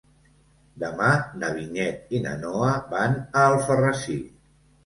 Demà na Vinyet i na Noa van a Alfarrasí.